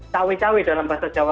caui caui dalam bahasa jawa